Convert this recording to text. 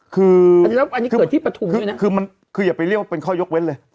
คืออันนี้เกิดที่ปฐุมด้วยนะคือมันคืออย่าไปเรียกว่าเป็นข้อยกเว้นเลย